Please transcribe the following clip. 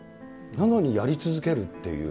なのにやり続けるっていう。